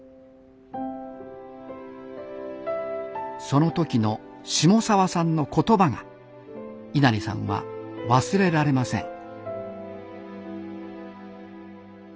その時の下澤さんの言葉が稲荷さんは忘れられません。